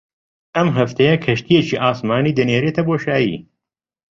ئەم هەفتەیە کەشتییەکی ئاسمانی دەنێرێتە بۆشایی